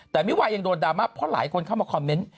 แต่มิวายังโดนดราม่าเพราะหลายคนเข้ามาคอมเมนต์